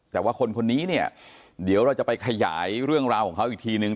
แต่ว่าคนคนนี้เนี่ยเดี๋ยวเราจะไปขยายเรื่องราวของเขาอีกทีนึง